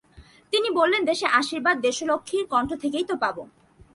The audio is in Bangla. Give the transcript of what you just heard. তিনি বললেন, দেশের আশীর্বাদ দেশলক্ষ্মীদের কণ্ঠ থেকেই তো পাব।